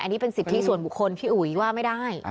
อันนี้เป็นสิทธิส่วนบุคคลพี่อุ๋ยว่าไม่ได้